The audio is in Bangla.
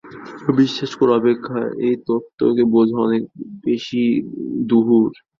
বিশ্বাস করা অপেক্ষা এই তত্ত্বকে বোঝা অনেক বেশী দুরূহ।